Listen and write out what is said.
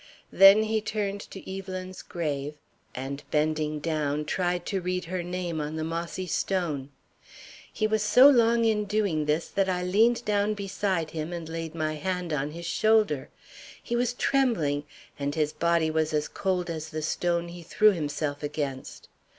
Then he turned to Evelyn's grave, and bending down, tried to read her name on the mossy stone. He was so long in doing this that I leaned down beside him and laid my hand on his shoulder. He was trembling, and his body was as cold as the stone he threw himself against.